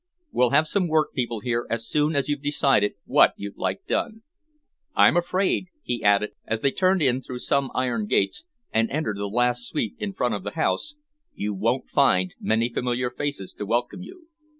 We'll have some workpeople here as soon as you've decided what you'd like done. I'm afraid," he added, as they turned in through some iron gates and entered the last sweep in front of the house, "you won't find many familiar faces to welcome you.